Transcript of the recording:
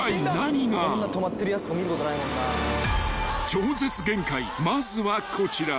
［超絶限界まずはこちら］